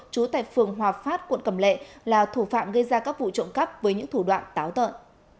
trú tại phường hòa phát quận cầm lệ là thủ phạm gây ra các vụ trộm cắp với những thủ đoạn táo tợn